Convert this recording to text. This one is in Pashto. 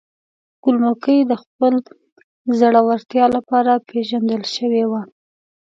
ګل مکۍ د خپل زړورتیا لپاره پیژندل شوې وه.